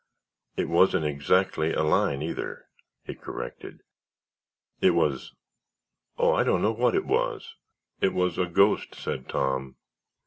It wasn't exactly a line, either," he corrected; "it was—oh, I don't know what it was." "It was a ghost," said Tom.